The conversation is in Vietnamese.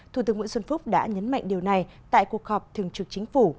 thủ tướng nguyễn xuân phúc đã nhấn mạnh điều này tại cuộc họp thường trực chính phủ